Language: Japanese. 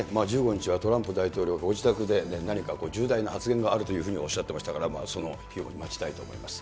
１５日はトランプ大統領がご自宅で何か重大な発言があるというふうにおっしゃってましたから、その日を待ちたいと思います。